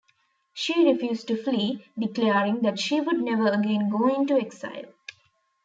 She refused to flee, declaring that she would never again go into exile.